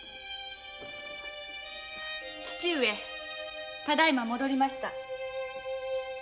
父上ただ今戻りました。